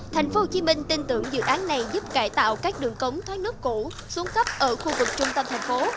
tp hcm tin tưởng dự án này giúp cải tạo các đường cống thoát nước cũ xuống cấp ở khu vực trung tâm thành phố